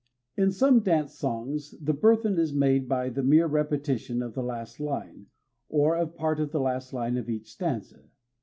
In some dance songs the burthen is made by the mere repetition of the last line, or of part of the last line, of each stanza.